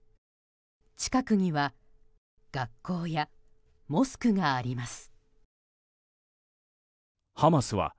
近くには学校やモスクがあります。